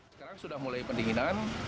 sekarang sudah mulai pendinginan